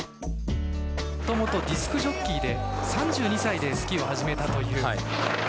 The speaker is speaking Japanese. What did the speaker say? もともとディスクジョッキーで、３２歳でスキーを始めたという。